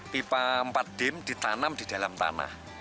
pipa empat dim ditanam di dalam tanah